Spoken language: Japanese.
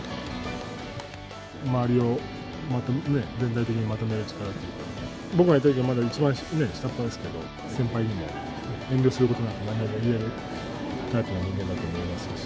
周りを全体的にまとめる力っていうか、僕がいたときはまだ一番下っ端ですけど、先輩にも遠慮することなく、なんでも言えるタイプの人間だと思いますし。